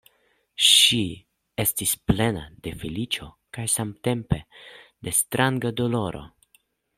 Ŝi estis plena de feliĉo kaj samtempe de stranga doloro.